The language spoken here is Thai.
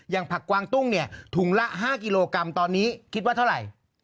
ผักกวางตุ้งเนี่ยถุงละ๕กิโลกรัมตอนนี้คิดว่าเท่าไหร่